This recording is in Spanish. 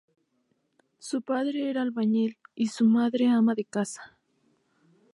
Su padre era albañil y su madre ama de casa.